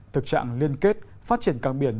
thực trạng liên kết phát triển cảng biển